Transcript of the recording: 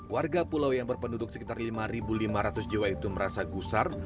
warga pulau yang berpenduduk sekitar lima lima ratus jiwa itu merasa gusar